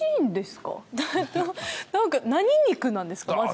なんか何肉なんですか？